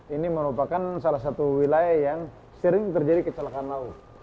ini merupakan salah satu wilayah yang sering terjadi kecelakaan laut